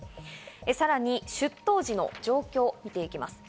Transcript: さらに出頭時の状況を見ていきます。